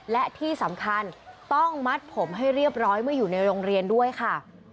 และที่สำคัญต้องมัดผมให้เรียบร้อยเมื่ออยู่ในโรงเรียนด้วยค่ะ